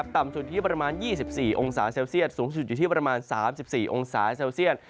ต่ำสุดที่ประมาณ๒๔องศาเซลเซียตสูงสุดอยู่ที่ประมาณ๓๔องศาเซลเซียต